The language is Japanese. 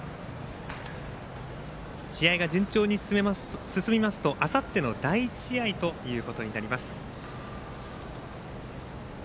試合が順調に進みますとあさっての第１試合ということになります。